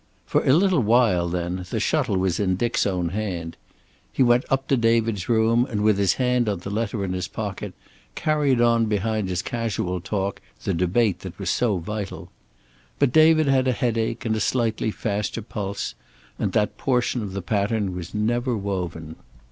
For a little while, then, the shuttle was in Dick's own hand. He went up to David's room, and with his hand on the letter in his pocket, carried on behind his casual talk the debate that was so vital. But David had a headache and a slightly faster pulse, and that portion of the pattern was never woven.